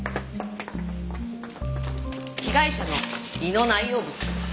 被害者の胃の内容物。